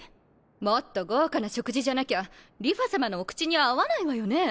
もっと豪華な食事じゃなきゃ梨花さまのお口に合わないわよねぇ？